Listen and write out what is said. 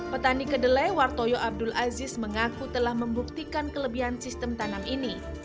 petani kedelai wartoyo abdul aziz mengaku telah membuktikan kelebihan sistem tanam ini